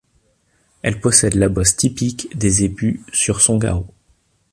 Elle possède la bosse typique des zébus sur son garrot.